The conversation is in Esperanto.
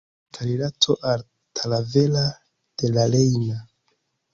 Forta rilato al Talavera de la Reina.